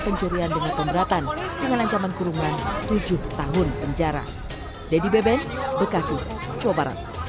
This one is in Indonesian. pencurian dengan pemberatan dengan ancaman kurungan tujuh tahun penjara dedy beben bekasi jawa barat